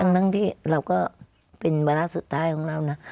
ทั้งที่เราก็เป็นวาระสุดท้ายของเรานะ